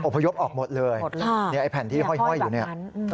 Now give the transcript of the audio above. พยพออกหมดเลยเนี่ยไอ้แผ่นที่ห้อยอยู่เนี่ย